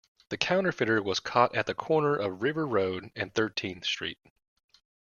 The counterfeiter was caught at the corner of River Road and Thirtieth Street.